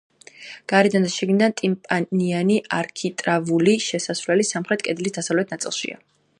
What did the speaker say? გარედან და შიგნიდან ტიმპანიანი არქიტრავული შესასვლელი სამხრეთ კედლის დასავლეთ ნაწილშია.